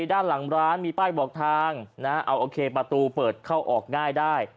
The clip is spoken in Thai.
ด้านหลังร้านมีป้ายบอกทางเอาโอเคประตูเปิดเข้าออกง่ายได้